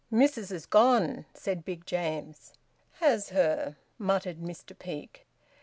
"Missis has gone," said Big James. "Has her?" muttered Mr Peake.